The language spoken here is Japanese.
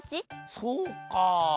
そうか。